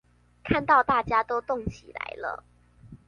看到大家都動起來了